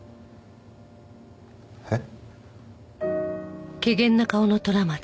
えっ？